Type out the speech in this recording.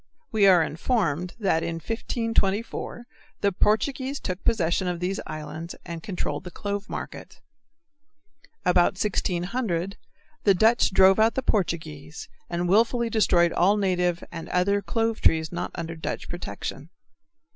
We are informed that in 1524 the Portuguese took possession of these islands and controlled the clove market. About 1600 the Dutch drove out the Portuguese and willfully destroyed all native and other clove trees not under Dutch protection.